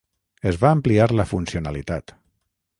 Es va ampliar la funcionalitat.